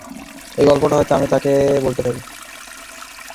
এই গল্পটাও হয়তো আমি তাঁকে বলতে পারি।